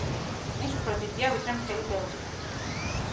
ის უფრო დიდია ვიდრე მთელი ბელგია.